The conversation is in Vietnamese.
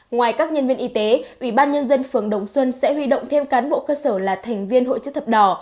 ngoài các nhân viên y tế ủy ban nhân dân phường đồng xuân sẽ huy động thêm cán bộ cơ sở là thành viên hội chữ thập đỏ